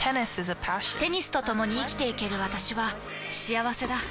テニスとともに生きていける私は幸せだ。